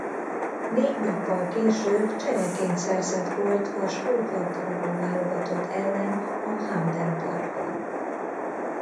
Négy nappal később csereként szerzett gólt a Skót labdarúgó-válogatott ellen a Hampden Park-ban.